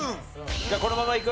じゃあこのままいく？